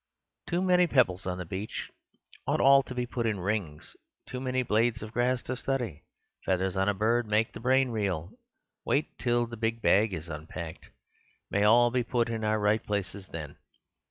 too many pebbles on the beach; ought all to be put in rings; too many blades of grass to study... feathers on a bird make the brain reel; wait till the big bag is unpacked... may all be put in our right places then."